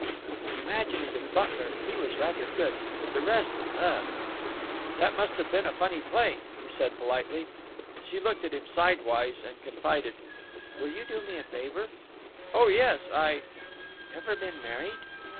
"The imaginative butler, he was rather good. But the rest—Ugh!" "That must have been a funny play," he said, politely. She looked at him sidewise and confided, "Will you do me a favor?" "Oh yes, I—" "Ever been married?"